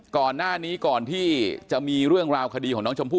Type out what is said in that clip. ก่อนหน้านี้ก่อนที่จะมีเรื่องราวคดีของน้องชมพู่